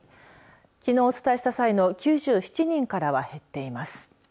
きのうお伝えした際の９７人からは減っています。